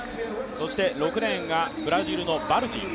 ６レーンがブラジルのバルジ。